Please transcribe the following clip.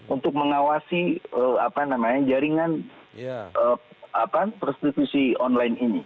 untuk mengawasi jaringan apa namanya prostitusi online ini